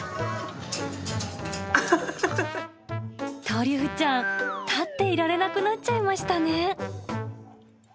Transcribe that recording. トリュフちゃん、立っていられなくなっちゃいましたね。